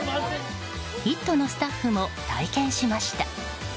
「イット！」のスタッフも体験しました。